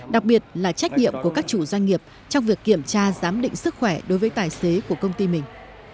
đặc biệt là trách nhiệm của các chủ doanh nghiệp trong việc kiểm tra giám định sức khỏe đối với tài xế của công ty mình